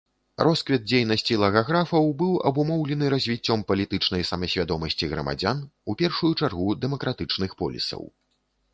Росквіт дзейнасці лагаграфаў быў абумоўлены развіццём палітычнай самасвядомасці грамадзян, у першую чаргу дэмакратычных полісаў.